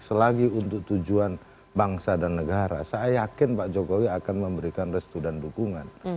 selagi untuk tujuan bangsa dan negara saya yakin pak jokowi akan memberikan restu dan dukungan